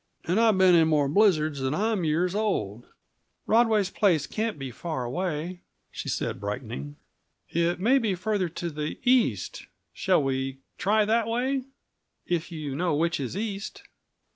And I've been in more blizzards than I'm years old." "Rodway's place can't be far away," she said, brightening. "It may be farther to the east; shall we try that way if you know which is east?"